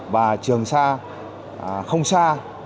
và trường sa không xa